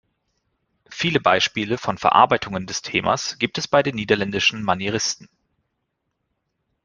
Viele Beispiele von Verarbeitungen des Themas gibt es bei den niederländischen Manieristen.